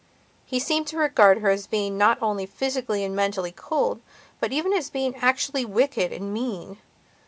He seemed to regard her as being not only physically and mentally cold, but even as being actually wicked and mean.